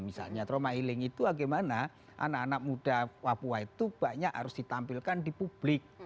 misalnya trauma healing itu bagaimana anak anak muda papua itu banyak harus ditampilkan di publik